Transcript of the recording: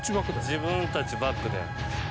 自分たちバックで。